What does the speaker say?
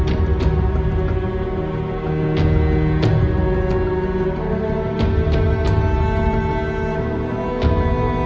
ช่วยแกผู้ถือการย่างอิกษา